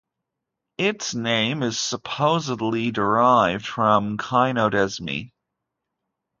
Its name is supposedly derived from "kynodesme".